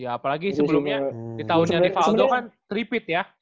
apalagi sebelumnya di tahunnya rivaldo kan tripit ya